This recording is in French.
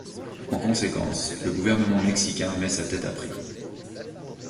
En conséquence, le gouvernement mexicain met sa tête à prix.